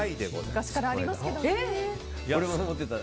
昔からありますけどね。